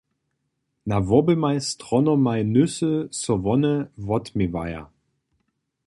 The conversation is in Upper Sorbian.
Na woběmaj stronomaj Nysy so wone wotměwaja.